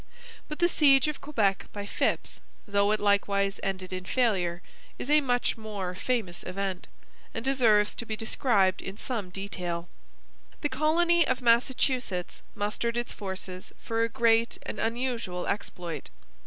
But the siege of Quebec by Phips, though it likewise ended in failure, is a much more famous event, and deserves to be described in some detail. The colony of Massachusetts mustered its forces for a great and unusual exploit.